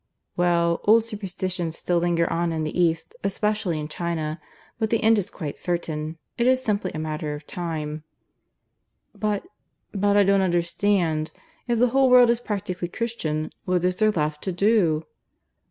"Well, old superstitions still linger on in the East, especially in China. But the end is quite certain. It is simply a matter of time " "But ... but I don't understand. If the whole world is practically Christian, what is there left to do?"